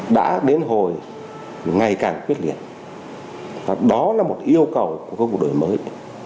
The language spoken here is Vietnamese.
đã đến hồi ngày càng quyết liệt và đó là một yêu cầu của các vụ đổi mới